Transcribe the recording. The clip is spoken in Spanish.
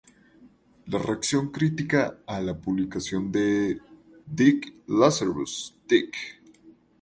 La reacción crítica a la publicación de "Dig, Lazarus, Dig!!!